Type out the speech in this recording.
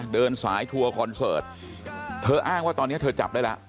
เดินสายทัวร์คอนเสิร์ตเธออ้างว่าตอนนี้เธอจับได้แล้ว